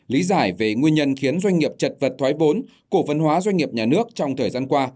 lý giải về nguyên nhân khiến doanh nghiệp chật vật thoái vốn cổ phân hóa doanh nghiệp nhà nước trong thời gian qua